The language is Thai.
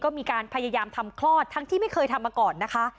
ก็มีการพยายามทำคลอดทั้งที่ไม่เคยทำมาก่อนนะคะ